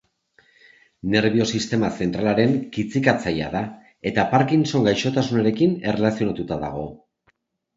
Nerbio-sistema zentralaren kitzikatzailea da eta Parkinson gaixotasunarekin erlazionatuta dago.